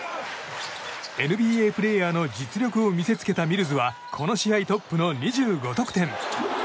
ＮＢＡプレーヤーの実力を見せつけたミルズはこの試合トップの２５得点。